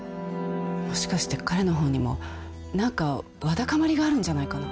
もしかして彼の方にも何かわだかまりがあるんじゃないかな？